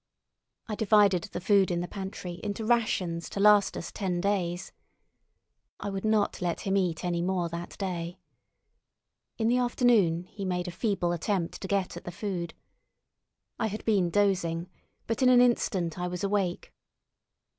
I divided the food in the pantry, into rations to last us ten days. I would not let him eat any more that day. In the afternoon he made a feeble effort to get at the food. I had been dozing, but in an instant I was awake.